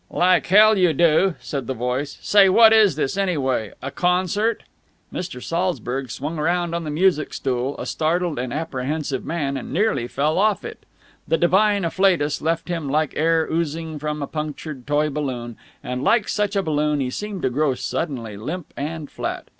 "Like hell you do!" said the voice. "Say, what is this, anyway? A concert?" Mr. Saltzburg swung round on the music stool, a startled and apprehensive man, and nearly fell off it. The divine afflatus left him like air oozing from a punctured toy balloon, and, like such a balloon, he seemed to grow suddenly limp and flat.